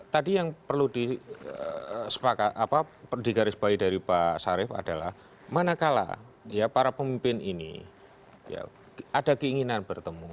tadi yang perlu disepakat apa digarisbaik dari pak syarif adalah mana kalah ya para pemimpin ini ada keinginan bertemu